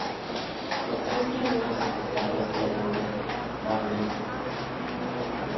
Los tres primeros secretarios eran del Barnes.